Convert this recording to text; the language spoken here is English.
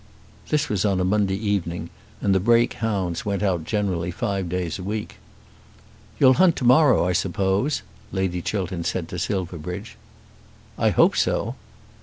This was on a Monday evening, and the Brake hounds went out generally five days a week. "You'll hunt to morrow, I suppose?" Lady Chiltern said to Silverbridge. "I hope so."